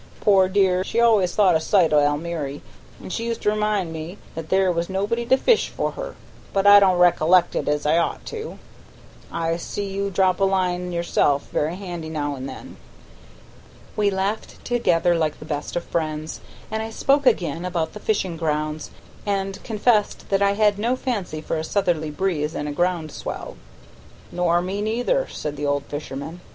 Poor dear, she always thought a sight o' Almiry, and she used to remind me there was nobody to fish for her; but I don't rec'lect it as I ought to. I see you drop a line yourself very handy now an' then." We laughed together like the best of friends, and I spoke again about the fishing grounds, and confessed that I had no fancy for a southerly breeze and a ground swell. "Nor me neither," said the old fisherman.